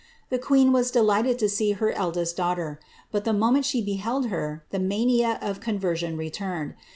The queen was delighted to see her eldest daughter; but ment she beheld her, the mania of conversion returned.